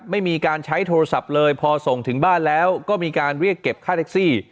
ไม่มีการใช้โทรศัพท์เลยพอส่งถึงบ้านแล้วก็มีการเรียกเก็บค่าแท็กซี่